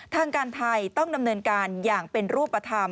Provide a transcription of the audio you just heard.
ทางการไทยต้องดำเนินการอย่างเป็นรูปธรรม